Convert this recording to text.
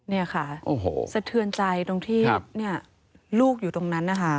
นี่ค่ะสะเทือนใจตรงที่ลูกอยู่ตรงนั้นนะคะ